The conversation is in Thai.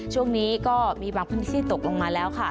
ช่วงนี้ก็มีบางพื้นที่ตกลงมาแล้วค่ะ